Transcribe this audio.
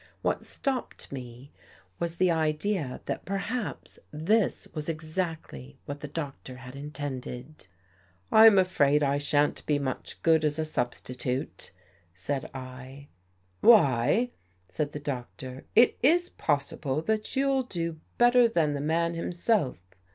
What stopped me was the 53 THE GHOST GIRL idea that perhaps this was exactly what the Doctor had intended. " I'm afraid I sha'n't be much good as a substi tute," said 1. " Why," said the Doctor, " it is possible that you'll do better than the man himself.